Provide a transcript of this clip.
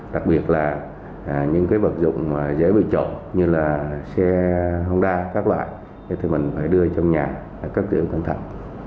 đặc biệt là những vật dụng dễ bị trộn như là xe hông đa các loại thì mình phải đưa trong nhà cấp tiêu cẩn thận